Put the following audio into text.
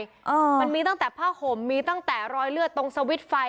มันมีตั้งแต่ผ้าห่มมีตั้งแต่รอยเลือดตรงสวิตช์ไฟ